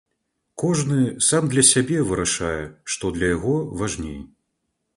Кожны сам для сябе вырашае, што для яго важней.